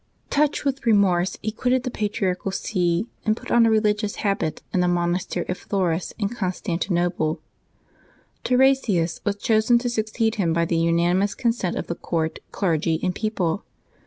Touched with remorse, he quitted the patriarchal see, and put on a religious habit in the monastery of Florus in Constantinople. Tarasius was chosen to succeed him by the unanimous consent of the court, clerg}^ and people.